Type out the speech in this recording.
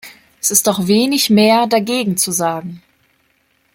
Es ist auch wenig mehr dagegen zu sagen.